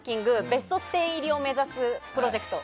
ベスト１０入りを目指すプロジェクト。